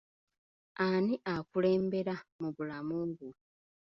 Ani akulembera mu bulamu bwo?